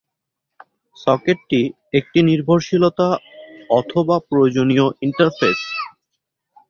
সকেটটি একটি নির্ভরশীলতা অথবা প্রয়োজনীয় ইন্টারফেস।